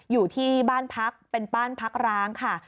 อยู่ที่บ้านพักเป็นบ้านพักร้างค่ะ